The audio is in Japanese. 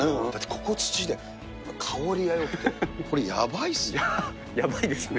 ここ土で、香りがよくて、これ、やばいですね。